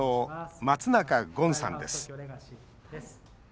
松中権さんです。